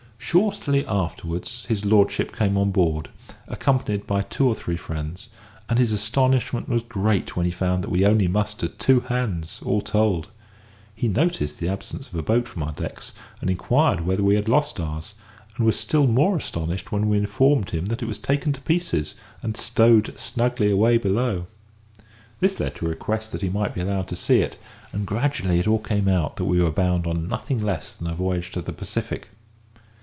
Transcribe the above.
Shortly afterwards, Lord came on board, accompanied by two or three friends; and his astonishment was great when he found that we only mustered two hands, all told. He noticed the absence of a boat from our decks, and inquired whether we had lost ours, and was still more astonished when we informed him that it was taken to pieces and stowed snugly away below. This led to a request that he might be allowed to see it; and gradually it all came out that we were bound on nothing less than a voyage to the Pacific.